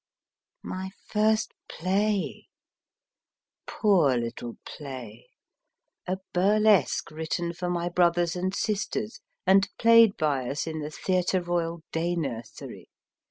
v My first play ! Poor little play GEORGE R. SIMS a burlesque written for my brothers and sisters, and played by us in the Theatre Royal Day Nursery.